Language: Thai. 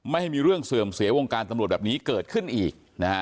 ไม่มีเรื่องเสื่อมเสียวงการตำรวจแบบนี้เกิดขึ้นอีกนะฮะ